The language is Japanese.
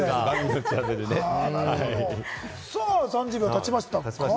さぁ、３０秒たちましたか。